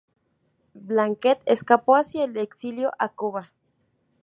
Blanquet escapó hacia el exilio a Cuba.